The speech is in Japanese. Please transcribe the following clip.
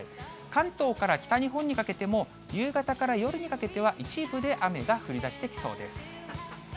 関東から北日本にかけても、夕方から夜にかけては一部で雨が降りだしてきそうです。